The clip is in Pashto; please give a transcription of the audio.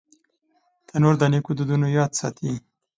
تنور د نیکو دودونو یاد ساتي